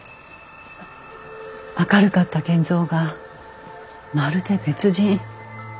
明るかった賢三がまるで別人。